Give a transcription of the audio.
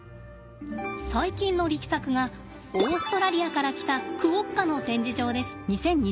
最近の力作がオーストラリアから来たクオッカの展示場です。